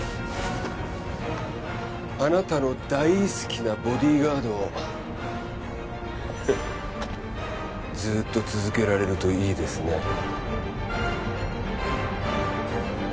あなたの大好きなボディーガードをフッずっと続けられるといいですね。